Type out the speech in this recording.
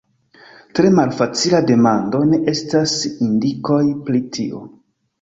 Tre malfacila demando ne estas indikoj pri tio.